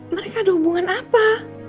mereka ada hubungan apa